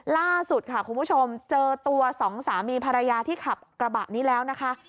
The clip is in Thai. ล่าสุดค่ะคุณผู้ชมเจอตัวสองสามีภรรยาที่ขับกระบะนี้แล้วนะคะ